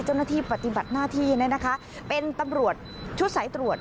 เจ้าหน้าที่ปฏิบัติหน้าที่เป็นตำรวจชุดสายตรวจ